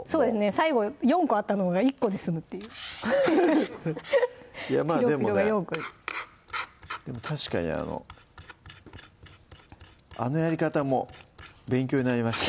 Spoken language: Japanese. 最後４個あったのが１個で済むっていういやまぁでもねでも確かにあのあのやり方も勉強になりました